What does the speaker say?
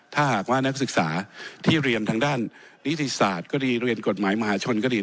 ถ้าหากว่านักศึกษาที่เรียนทางด้านนิติศาสตร์ก็ดีเรียนกฎหมายมหาชนก็ดี